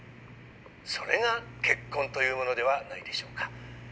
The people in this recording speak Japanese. それが結婚というものではないでしょうか。